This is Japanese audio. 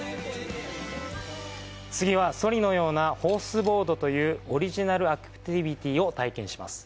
次は、そりのようなホースボードというオリジナルアクティビティを体験します。